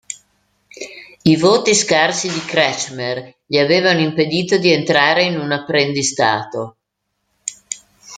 I voti scarsi di Kretschmer gli avevano impedito di entrare in un apprendistato.